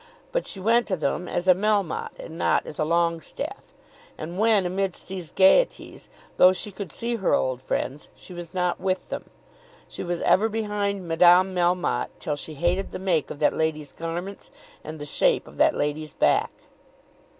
But she went to them as a Melmotte and not as a Longestaffe, and when amidst these gaieties, though she could see her old friends, she was not with them. She was ever behind Madame Melmotte, till she hated the make of that lady's garments and the shape of that lady's back.